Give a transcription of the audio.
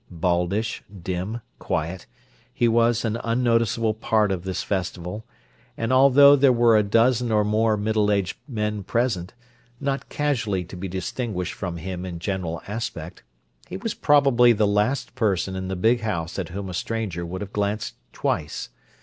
Baldish, dim, quiet, he was an unnoticeable part of this festival, and although there were a dozen or more middle aged men present, not casually to be distinguished from him in general aspect, he was probably the last person in the big house at whom a stranger would have glanced twice.